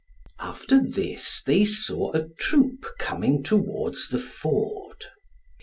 After this they saw a troop coming towards the ford.